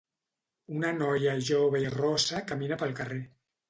Una noia jove i rossa camina pel carrer.